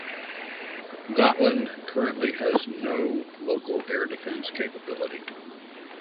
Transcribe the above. Gotland currently has no local air defence capability.